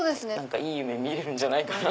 いい夢見れるんじゃないかなぁ。